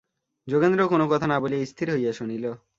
যোগেন্দ্র কোনো কথা না বলিয়া স্থির হইয়া শুনিল।